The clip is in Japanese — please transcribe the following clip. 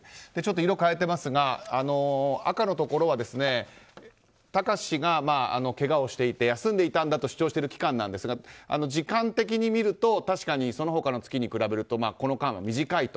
色を変えていますが赤のところは貴志氏がけがをしていて休んでいたんだと主張している期間ですが時間的に見ると確かにその他の月に比べるとこの間は短いと。